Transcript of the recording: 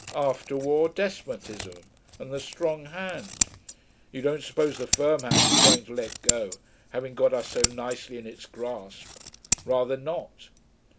After war, despotism and the strong hand. You don't suppose the firm hand is going to let go, having got us so nicely in its grasp. Rather not.